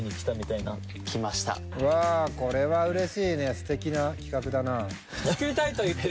これはうれしいねステキな企画だな。